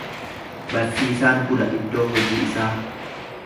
Barsiisaan bula iddoo hojii isaa.